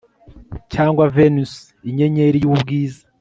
Cyangwa Venus Inyenyeri yUbwiza